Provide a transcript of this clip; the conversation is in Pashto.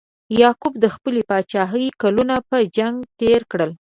یعقوب د خپلې پاچاهۍ کلونه په جنګ تیر کړل.